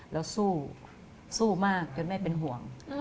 แล้วสู้สู้มากจนแม่เป็นห่วง